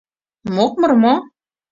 Мокмыр мо?